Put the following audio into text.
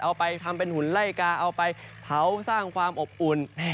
เอาไปทำเป็นหุ่นไล่กาเอาไปเผาสร้างความอบอุ่น